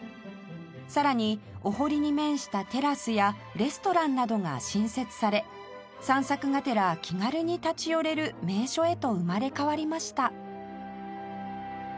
さらにお濠に面したテラスやレストランなどが新設され散策がてら気軽に立ち寄れる名所へと生まれ変わりました